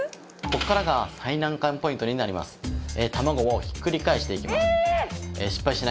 こっからが最難関ポイントになります